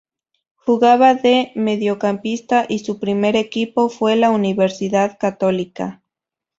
Jugaba de mediocampista y su primer equipo fue la Universidad Católica.